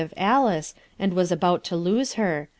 of Alice and was about to Iose her